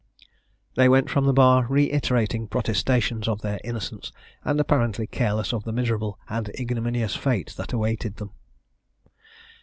They went from the bar reiterating protestations of their innocence, and apparently careless of the miserable and ignominious fate that awaited them.